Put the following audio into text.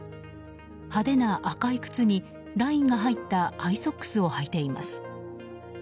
派手な赤い靴にラインが入ったハイソックスをはいています。